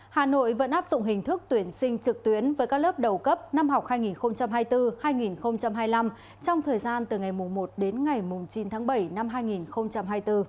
hà nội vẫn áp dụng hình thức tuyển sinh trực tuyến với các lớp đầu cấp năm học hai nghìn hai mươi bốn hai nghìn hai mươi năm trong thời gian từ ngày một đến ngày chín tháng bảy năm hai nghìn hai mươi bốn